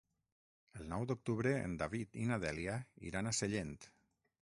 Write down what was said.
El nou d'octubre en David i na Dèlia iran a Sellent.